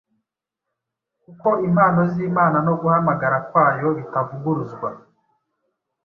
kuko impano z’Imana no guhamagara kwayo bitavuguruzwa.